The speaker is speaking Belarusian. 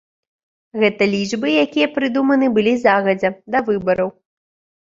Гэта лічбы, якія прыдуманыя былі загадзя, да выбараў.